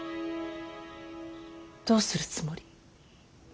どうするつもり。